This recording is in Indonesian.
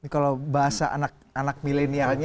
kalau bahasa anak milenialnya